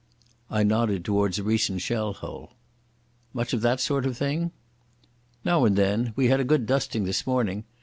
I nodded towards a recent shell hole. "Much of that sort of thing?" "Now and then. We had a good dusting this morning.